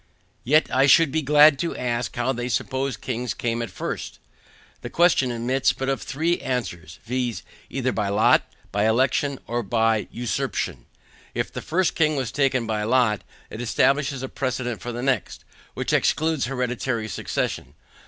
Yet I should be glad to ask how they suppose kings came at first? The question admits but of three answers, viz. either by lot, by election, or by usurpation. If the first king was taken by lot, it establishes a precedent for the next, which excludes hereditary succession.